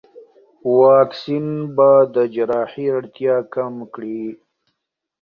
واکسین به د جراحي اړتیا کم کړي.